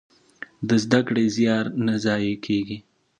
د زده کړې زيار نه ضايع کېږي.